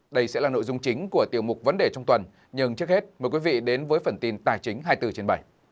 đây sẽ là nội dung chính của tiêu mục vấn đề trong tuần nhưng trước hết mời quý vị đến với phần tin tài chính hai mươi bốn trên bảy